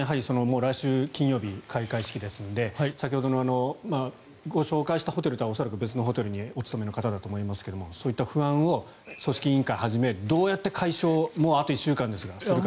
来週金曜日、開会式ですので先ほどのご紹介したホテルとは恐らく別のホテルにお勤めの方だと思いますが組織委員会を含めどうやって解消していけばいいんでしょうか。